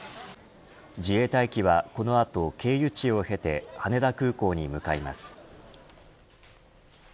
自衛隊機はこの後、経由地を経て羽田空港に向かいます。